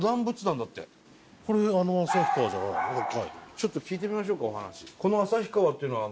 ちょっと聞いてみましょうかお話。